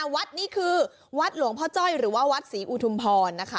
วัดนี้คือวัดหลวงพ่อจ้อยหรือว่าวัดศรีอุทุมพรนะคะ